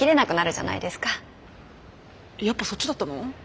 やっぱそっちだったの？